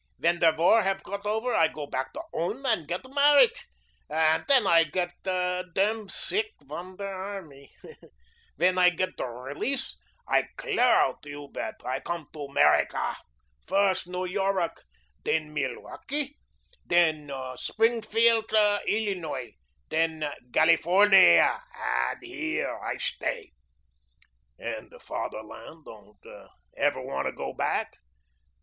Vhen der war hef godt over, I go beck to Ulm und gedt marriet, und den I gedt demn sick von der armie. Vhen I gedt der release, I clair oudt, you bedt. I come to Emerica. First, New Yor ruk; den Milwaukee; den Sbringfieldt Illinoy; den Galifornie, und heir I stay." "And the Fatherland? Ever want to go back?"